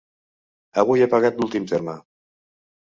Avui he pagat l'últim terme.